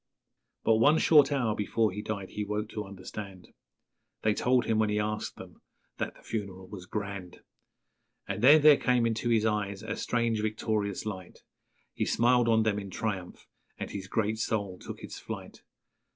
'_ But one short hour before he died he woke to understand, They told him, when he asked them, that the funeral was 'grand'; And then there came into his eyes a strange victorious light, He smiled on them in triumph, and his great soul took its flight.